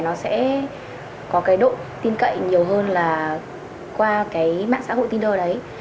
nó sẽ có cái độ tin cậy nhiều hơn là qua cái mạng xã hội tiner đấy